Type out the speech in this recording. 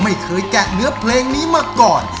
ไม่เคยแกะเนื้อเพลงนี้มาก่อน